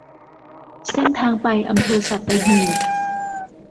เส้นทางไปอำเภอสัตหีบ